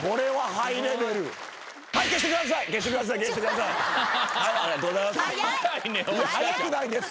ありがとうございます。